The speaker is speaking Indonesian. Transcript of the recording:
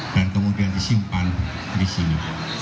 dan kemudian disimpan di sini